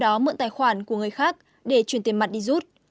đó mượn tài khoản của người khác để chuyển tiền mặt đi rút